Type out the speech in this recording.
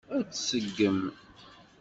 Ad t-tseggem?